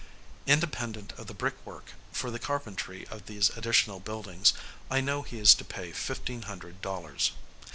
Independent of the brick work, for the carpentry of these additional buildings, I know he is to pay fifteen hundred dollars.